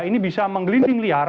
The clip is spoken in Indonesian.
ini bisa menggelirkan kemudian lanyala